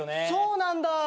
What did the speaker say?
そうなんだ。